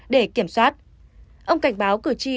để kiểm soát ông cảnh báo cử tri